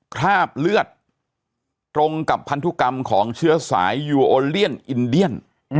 คราบเลือดตรงกับพันธุกรรมของเชื้อสายยูโอเลียนอินเดียน